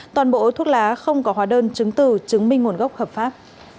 toàn bộ thuốc lá không có hóa đơn chứng từ chứng minh nguồn gốc hợp pháp